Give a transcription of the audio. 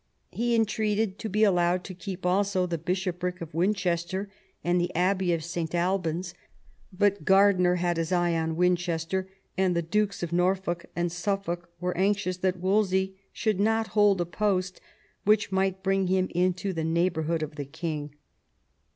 He entreated to be allowed to keep also the bishopric of Winchester and the Abbey of St. Alban's ; but Gurdiner had his eye on Winchester, and the Dukes of Norfolk and Suffolk were anxious that Wolsey should not hold a post which might bring him into the neigh bourhood of the king.